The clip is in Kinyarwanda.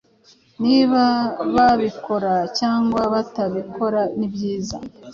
Niba babikora cyangwa batabikora nibyiza.